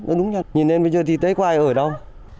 nói đúng như thế nhìn lên bây giờ thì thấy có ai ở đâu